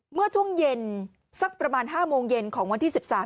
เมื่อช่วงเย็นสักประมาณ๕โมงเย็นของวันที่๑๓